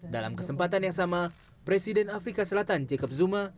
dalam kesempatan yang sama presiden afrika selatan jacob zuma